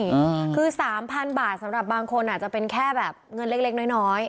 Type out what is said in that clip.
ใช่คือ๓๐๐๐บาทสำหรับบางคนน่ะเป็นแค่แบบเงินเล็กน้อย